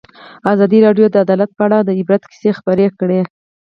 ازادي راډیو د عدالت په اړه د عبرت کیسې خبر کړي.